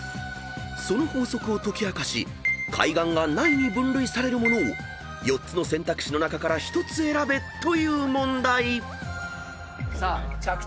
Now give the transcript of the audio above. ［その法則を解き明かし海岸がないに分類されるものを４つの選択肢の中から１つ選べという問題］